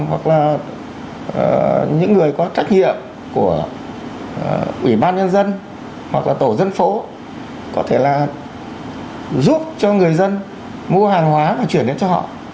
hoặc là những người có trách nhiệm của ủy ban nhân dân hoặc là tổ dân phố có thể là giúp cho người dân mua hàng hóa và chuyển đến cho họ